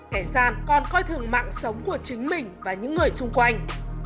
kẻ gian còn coi thường mạng sống của chứng minh